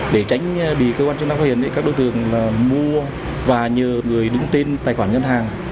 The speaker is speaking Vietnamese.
để tránh bị cơ quan chứng đoán có hiền các đối tượng mua và nhờ người đúng tên tài khoản ngân hàng